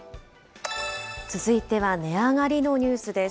続いては値上がりのニュースです。